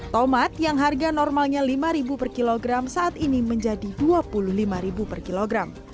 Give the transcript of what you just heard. tomat yang harga normalnya rp lima per kilogram saat ini menjadi rp dua puluh lima per kilogram